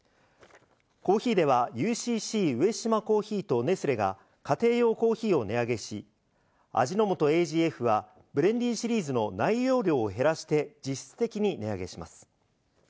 コーヒーではＵＣＣ上島珈琲とネスレが家庭用コーヒーを値上げし、味の素ＡＧＦはブレンディシリーズの内容量を減らして、実質的に値上げします。